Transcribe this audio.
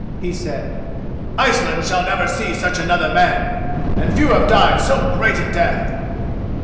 he said. "Iceland shall never see such another man, and few have died so great a death.